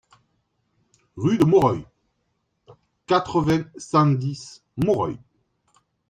Rue de Moreuil, quatre-vingts, cent dix Moreuil